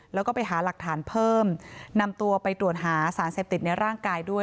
แล้วก็ไปหาหลักฐานเพิ่มนำตัวไปตรวจหาสารเสพติดในร่างกายด้วย